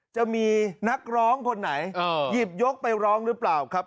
จะมีนักร้องคนไหนหยิบยกไปร้องหรือเปล่าครับ